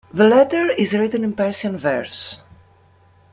The letter is written in Persian verse.